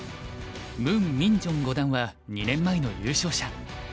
ムン・ミンジョン五段は２年前の優勝者。